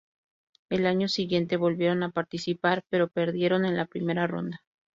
Al año siguiente volvieron a participar pero perdieron en la primera ronda.